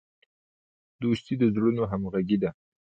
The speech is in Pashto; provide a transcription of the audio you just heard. دوستي د زړونو همغږي ده.